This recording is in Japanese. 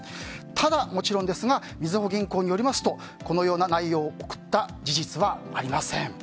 ただ、もちろんですがみずほ銀行によりますとこのような内容を送った事実はありません。